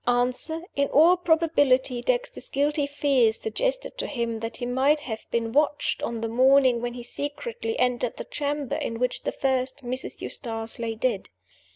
"Answer: In all probability, Dexter's guilty fears suggested to him that he might have been watched on the morning when he secretly entered the chamber in which the first Mrs. Eustace lay dead.